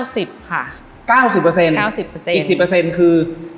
อเจมส์๙๐อีก๑๐คือ